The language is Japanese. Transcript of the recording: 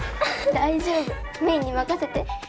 大丈夫芽衣に任せて。